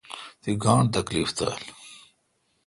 تی گاݨڈ تکیف تھال۔